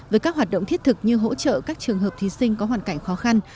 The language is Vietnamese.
với các hoạt động thiết thực như hỗ trợ các trường hợp thí sinh có hoàn cảnh khó khăn